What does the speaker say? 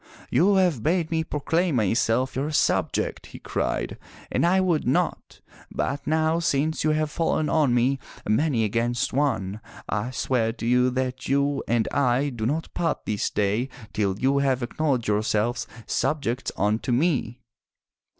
"You have bade me proclaim myself your subject!'' he cried, and I would not, but now since you have fallen on me, many against one, I swear to you that you and I do not part this day till you have acknowledged yourselves subjects unto me!